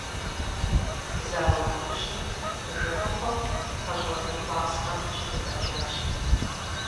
Зауэ нэужьым Жэмыхъуэм пэщӏэдзэ классхэм щригъэджащ.